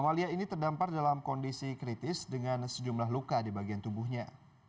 mamalia ini terdampar dalam kondisi kritis dengan sejumlah luka di bagian tubuhnya